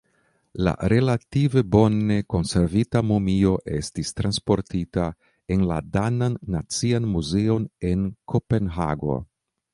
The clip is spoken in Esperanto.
La relative bone konservita mumio estis transportita en la danan nacian muzeon en Kopenhago.